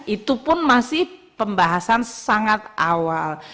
itu pun masih pembahasan sangat awal